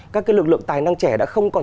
các lực lượng tài năng trẻ đã không còn